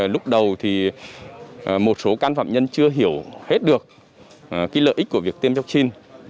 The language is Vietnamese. lúc đầu thì một số cán phạm nhân chưa hiểu hết được lợi ích của việc tiêm vaccine